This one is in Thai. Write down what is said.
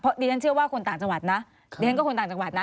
เพราะดิฉันเชื่อว่าคนต่างจังหวัดนะ